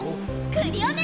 クリオネ！